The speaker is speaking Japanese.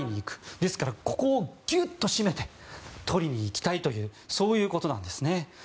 ですからここをギュッと締めて取りに行きたいというそういうことなんですね。